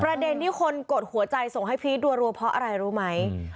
ประเด็นที่คนกดหัวใจส่งให้พีชรัวเพราะอะไรรู้ไหม